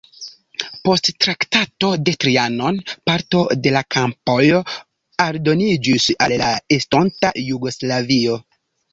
Post Traktato de Trianon parto de la kampoj aldoniĝis al la estonta Jugoslavio.